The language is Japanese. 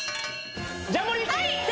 ジャンボリ！